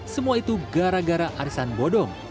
semua itu gara gara arisan bodong